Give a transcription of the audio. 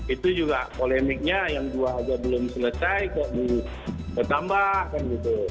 itu juga polemiknya yang dua aja belum selesai kok ditambah kan gitu